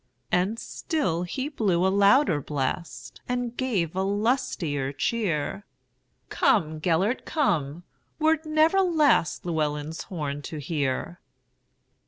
And still he blew a louder blast, And gave a lustier cheer:"Come, Gêlert, come, wert never lastLlewelyn's horn to hear.